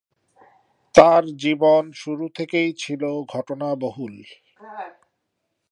তার জীবন শুরু থেকেই ছিল ঘটনা বহুল।